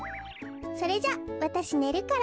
それじゃわたしねるから。